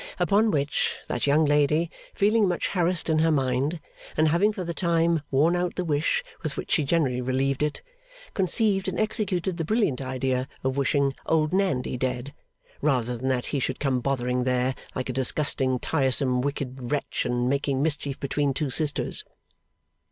Upon which, that young lady, feeling much harassed in her mind, and having for the time worn out the wish with which she generally relieved it, conceived and executed the brilliant idea of wishing Old Nandy dead, rather than that he should come bothering there like a disgusting, tiresome, wicked wretch, and making mischief between two sisters.